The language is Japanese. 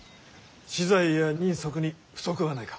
資材や人足に不足はないか？